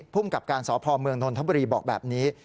ภูมิกับการสพเมืองนนทบุรีบอกแบบนี้